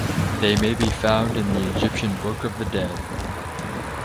They may be found in the Egyptian book of the dead.